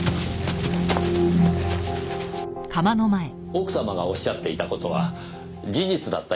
奥様がおっしゃっていた事は事実だったようですねぇ。